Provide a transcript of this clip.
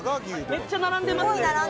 めっちゃ並んでます